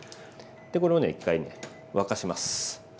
これを１回ね沸かします。